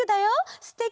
すてき！